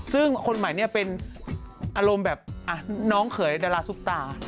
ซึ่งคนใหม่เป็นอารมณ์แบบน้องเคยแต่น่ราซุปตา